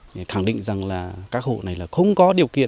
thì khẳng định rằng là các hộ này là không có điều kiện